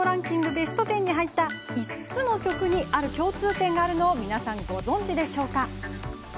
ベスト１０に入った５つの曲にある共通点があるのを皆さん、ご存じですか？